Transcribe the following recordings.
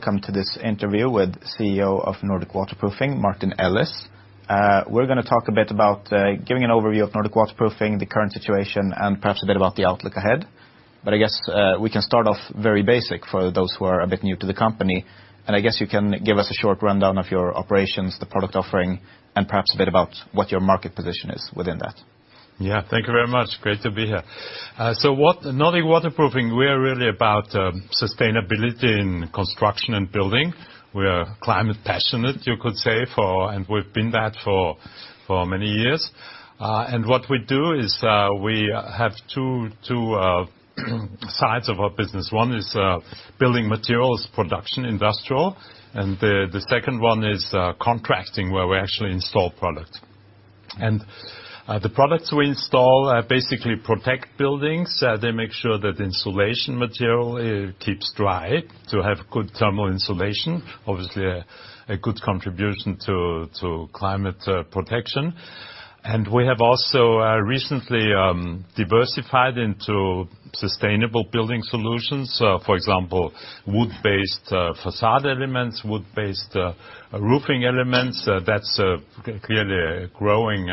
Welcome to this interview with CEO of Nordic Waterproofing, Martin Ellis. We're gonna talk a bit about giving an overview of Nordic Waterproofing, the current situation, and perhaps a bit about the outlook ahead. But I guess we can start off very basic for those who are a bit new to the company, and I guess you can give us a short rundown of your operations, the product offering, and perhaps a bit about what your market position is within that. Yeah. Thank you very much. Great to be here. So what Nordic Waterproofing, we're really about sustainability in construction and building. We are climate passionate, you could say. And we've been that for many years. And what we do is, we have two sides of our business. One is building materials, production, industrial, and the second one is contracting, where we actually install product. And the products we install basically protect buildings. They make sure that insulation material keeps dry to have good thermal insulation, obviously a good contribution to climate protection. And we have also recently diversified into sustainable building solutions, for example, wood-based facade elements, wood-based roofing elements. That's clearly a growing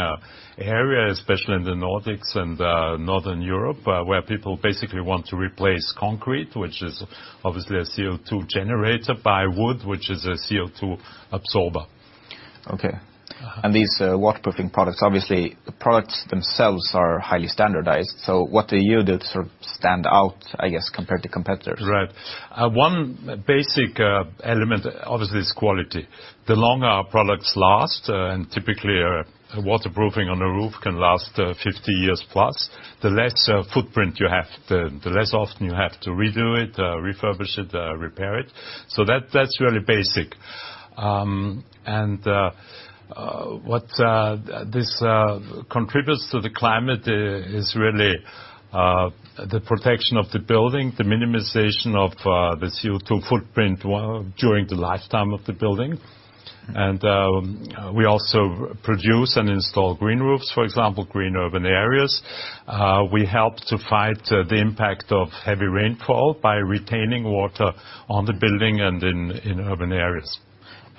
area, especially in the Nordics and Northern Europe, where people basically want to replace concrete, which is obviously a CO2 generator, by wood, which is a CO2 absorber. Okay. Uh-huh. These waterproofing products, obviously, the products themselves are highly standardized, so what do you do to sort of stand out, I guess, compared to competitors? Right. One basic element obviously is quality. The longer our products last, and typically a waterproofing on a roof can last 50 years plus, the less footprint you have, the less often you have to redo it, refurbish it, repair it. So that's really basic. And what this contributes to the climate is really the protection of the building, the minimization of the CO2 footprint during the lifetime of the building. And we also produce and install green roofs, for example, green urban areas. We help to fight the impact of heavy rainfall by retaining water on the building and in urban areas.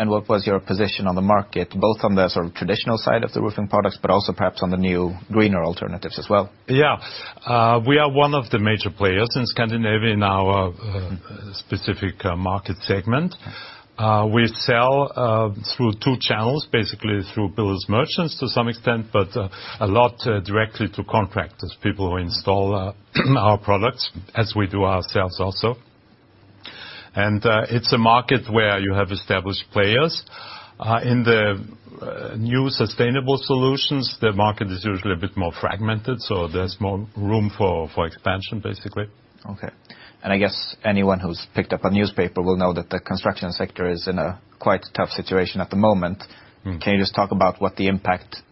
What was your position on the market, both on the sort of traditional side of the roofing products, but also perhaps on the new greener alternatives as well? Yeah. We are one of the major players in Scandinavia in our specific market segment. We sell through two channels, basically through builders' merchants to some extent, but a lot directly to contractors, people who install our products, as we do ourselves also. It's a market where you have established players. In the new sustainable solutions, the market is usually a bit more fragmented, so there's more room for expansion, basically. Okay. And I guess anyone who's picked up a newspaper will know that the construction sector is in a quite tough situation at the moment. Mm. Can you just talk about what the impact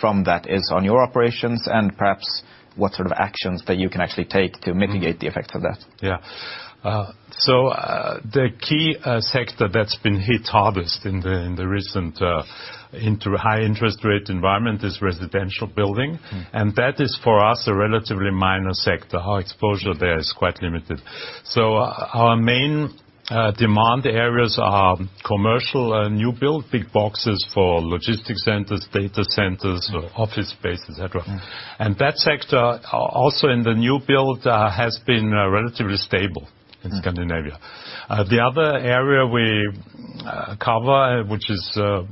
from that is on your operations, and perhaps what sort of actions that you can actually take to? Mm. mitigate the effects of that? Yeah. So, the key sector that's been hit hardest in the recent high interest rate environment is residential building. Mm. That is, for us, a relatively minor sector. Our exposure there is quite limited. Our main demand areas are commercial, new build, big boxes for logistics centers, data centers- Mm... office space, et cetera. Mm. That sector, also in the new build, has been relatively stable- Mm... in Scandinavia. The other area we cover, which is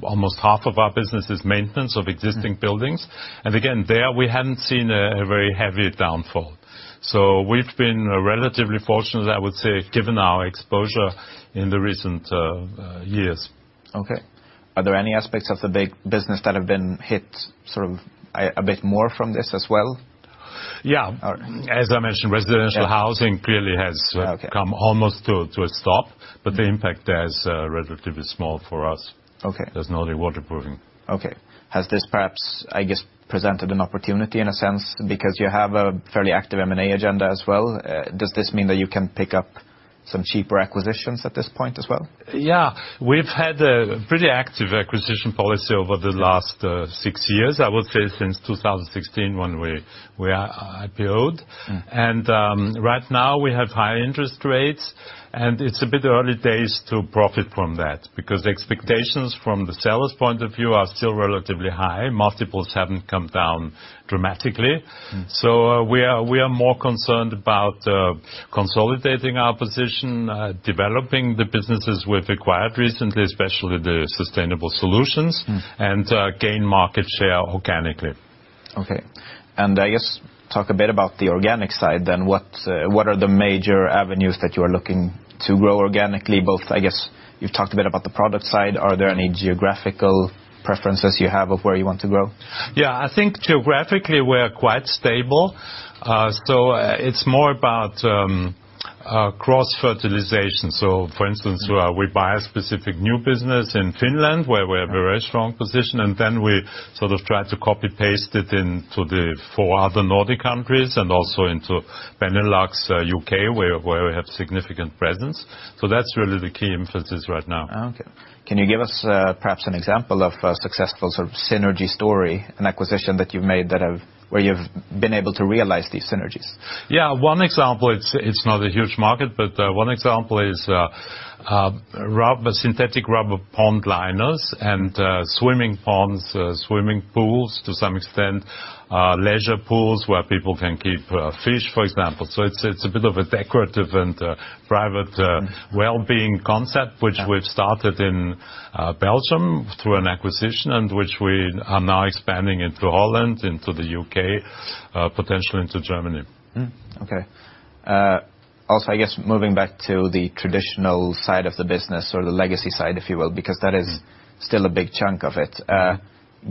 almost half of our business, is maintenance of existing- Mm... buildings. And again, there, we haven't seen a very heavy downfall. So we've been relatively fortunate, I would say, given our exposure in the recent years. Okay. Are there any aspects of the big business that have been hit sort of a bit more from this as well? Yeah. Uh- As I mentioned, residential- Yeah... housing clearly has, Okay... come almost to a stop, but the impact there is relatively small for us- Okay... as Nordic Waterproofing. Okay. Has this perhaps, I guess, presented an opportunity in a sense? Because you have a fairly active M&A agenda as well. Does this mean that you can pick up some cheaper acquisitions at this point as well? Yeah. We've had a pretty active acquisition policy over the- Yeah... last six years, I would say since 2016, when we IPO'd. Mm. Right now we have high interest rates, and it's a bit early days to profit from that, because expectations from the seller's point of view are still relatively high. Multiples haven't come down dramatically. Mm. We are more concerned about consolidating our position, developing the businesses we've acquired recently, especially the sustainable solutions- Mm... and gain market share organically. Okay. And I guess, talk a bit about the organic side then. What, what are the major avenues that you are looking to grow organically, both... I guess, you've talked a bit about the product side? Mm. Are there any geographical preferences you have of where you want to grow? Yeah, I think geographically we're quite stable. So it's more about cross-fertilization. So for instance- Mm... we buy a specific new business in Finland, where we have- Mm... a very strong position, and then we sort of try to copy-paste it into the four other Nordic countries, and also into Benelux, U.K., where we have significant presence. So that's really the key emphasis right now. Okay. Can you give us, perhaps an example of a successful sort of synergy story, an acquisition that you've made that have... where you've been able to realize these synergies? Yeah, one example. It's not a huge market, but one example is rubber, synthetic rubber pond liners and swimming ponds, swimming pools to some extent, leisure pools where people can keep fish, for example. So it's a bit of a decorative and private well-being concept- Yeah. -which we've started in, Belgium through an acquisition, and which we are now expanding into Holland, into the U.K., potentially into Germany. Okay. Also, I guess moving back to the traditional side of the business or the legacy side, if you will... Mm. -because that is still a big chunk of it.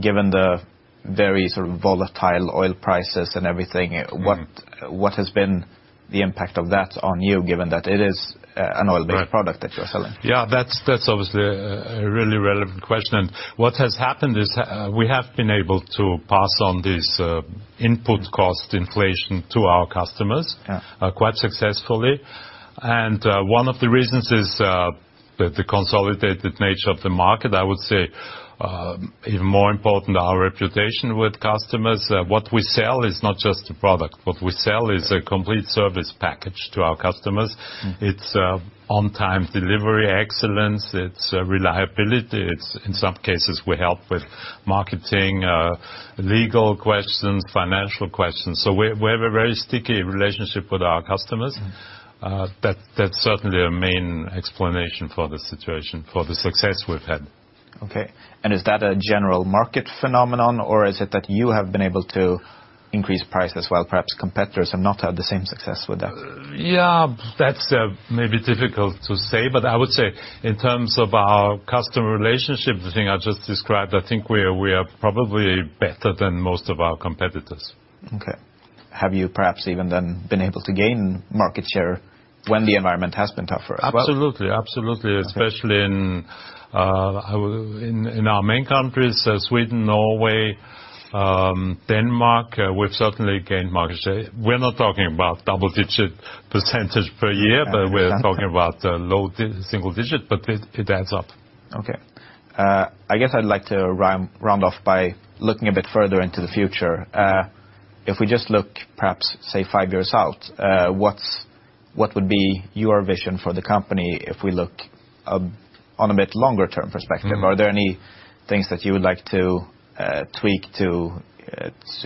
Given the very sort of volatile oil prices and everything- Mm. What has been the impact of that on you, given that it is an oil-based- Right. product that you are selling? Yeah, that's obviously a really relevant question, and what has happened is, we have been able to pass on this input cost inflation to our customers- Yeah... quite successfully. And, one of the reasons is, the consolidated nature of the market. I would say, even more important, our reputation with customers. What we sell is not just a product. What we sell is- Yeah... a complete service package to our customers. Mm. It's on-time delivery excellence, it's reliability, it's. In some cases, we help with marketing, legal questions, financial questions, so we have a very sticky relationship with our customers. Mm. That, that's certainly a main explanation for the situation, for the success we've had. Okay, and is that a general market phenomenon, or is it that you have been able to increase price as well, perhaps competitors have not had the same success with that? Yeah, that's maybe difficult to say, but I would say in terms of our customer relationship, the thing I just described, I think we are, we are probably better than most of our competitors. Okay. Have you perhaps even then been able to gain market share when the environment has been tougher as well? Absolutely. Absolutely. Okay. Especially in our main countries, Sweden, Norway, Denmark, we've certainly gained market share. We're not talking about double-digit percentage per year. Yeah, I understand. but we're talking about low single digit, but it adds up. Okay. I guess I'd like to round off by looking a bit further into the future. If we just look perhaps, say, five years out, what would be your vision for the company if we look on a bit longer term perspective? Mm. Are there any things that you would like to tweak to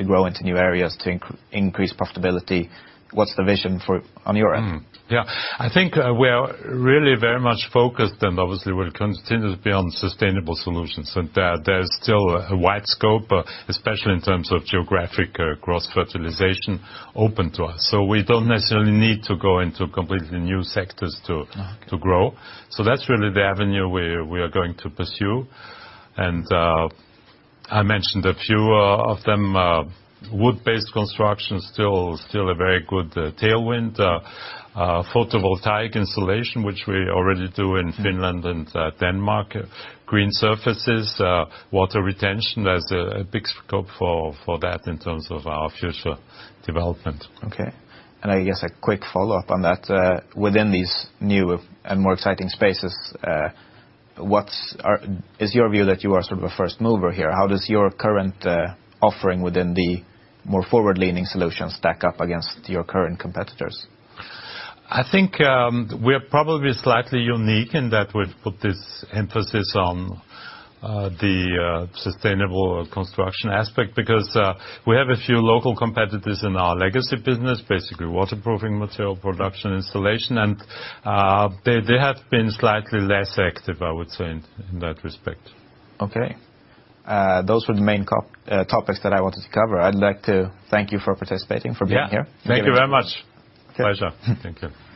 grow into new areas, to increase profitability? What's the vision for... on your end? Yeah. I think, we're really very much focused, and obviously we'll continue to be on sustainable solutions, and there, there's still a wide scope, especially in terms of geographic, cross-fertilization open to us. So we don't necessarily need to go into completely new sectors to- Okay... to grow, so that's really the avenue we're, we are going to pursue. And, I mentioned a few of them. Wood-based construction, still a very good tailwind. Photovoltaic installation, which we already do in Finland- Mm... and Denmark. Green surfaces, water retention, there's a big scope for that in terms of our future development. Okay, and I guess a quick follow-up on that. Within these new and more exciting spaces, is your view that you are sort of a first mover here? How does your current offering within the more forward-leaning solutions stack up against your current competitors? I think, we're probably slightly unique in that we've put this emphasis on the sustainable construction aspect, because we have a few local competitors in our legacy business, basically waterproofing material production installation, and they have been slightly less active, I would say, in that respect. Okay. Those were the main topics that I wanted to cover. I'd like to thank you for participating, for being here. Yeah. Thank you. Thank you very much. Okay. Pleasure. Thank you.